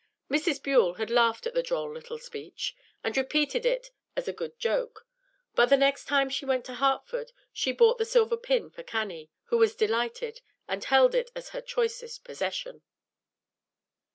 Mrs. Buell had laughed at the droll little speech, and repeated it as a good joke; but the next time she went to Hartford she bought the silver pin for Cannie, who was delighted, and held it as her choicest possession.